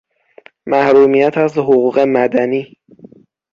محرومیت از حقوق مدنی